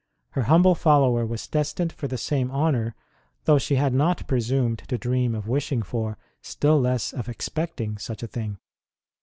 Her humble follower was destined for the same honour, though she had not presumed to dream of wishing for, still less of expecting, such a thing.